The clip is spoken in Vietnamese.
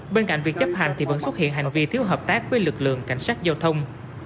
bên cạnh việc chấp hành thì vẫn xuất hiện hành vi thiếu hợp tác với lực lượng cảnh sát giao thông